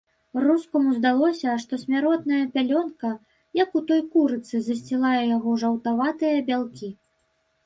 Рускаму здалося, што смяротная пялёнка, як у той курыцы, засцілае яго жаўтаватыя бялкі.